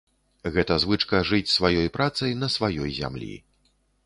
Гэта звычка жыць сваёй працай на сваёй зямлі.